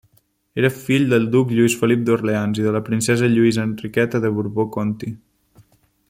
Era fill del duc Lluís Felip d'Orleans i de la princesa Lluïsa Enriqueta de Borbó-Conti.